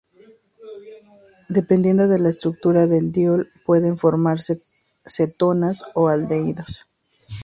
Dependiendo de la estructura del diol pueden formarse cetonas o aldehídos.